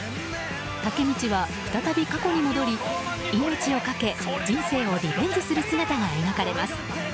タケミチは再び過去に戻り命をかけ人生をリベンジする姿が描かれます。